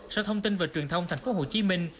sau thông tin về truyền thông thành phố hồ chí minh